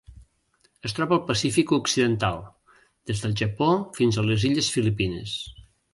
Es troba al Pacífic occidental: des del Japó fins a les illes Filipines.